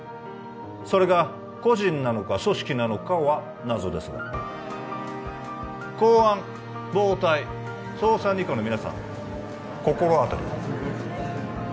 それが個人なのか組織なのかは謎ですが公安暴対捜査二課の皆さん心当たりは？